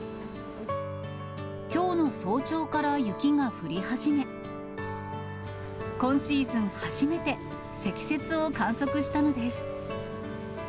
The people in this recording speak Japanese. きょうの早朝から雪が降り始め、今シーズン初めて、積雪を観測したのです。